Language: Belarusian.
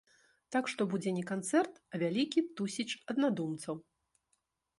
Так што будзе не канцэрт, а вялікі тусіч аднадумцаў.